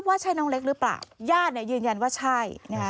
ว่าใช่นองเล็กหรือเปล่าญาติยืนยันว่าใช่